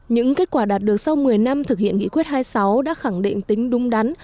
những kết quả đạt được sau một mươi năm thực hiện nghị quyết hai mươi sáu đã khẳng định tính đúng đắn